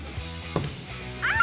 あ！